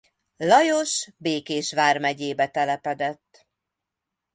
Lajos Békés vármegyébe telepedett.